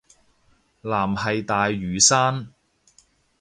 藍係大嶼山